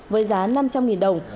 với giá năm trăm linh đồng